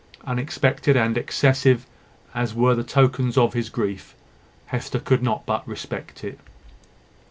Unexpected and excessive as were the tokens of his grief, Hester could not but respect it.